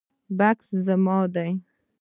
بکس زما دی